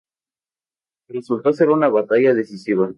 Resultó ser una batalla decisiva.